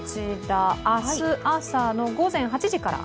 明日、朝の午前８時から。